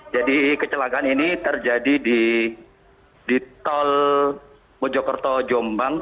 jadi kecelakaan ini terjadi di tol mojokerto jombang